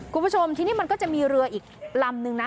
คุณผู้ชมทีนี้มันก็จะมีเรืออีกลำนึงนะ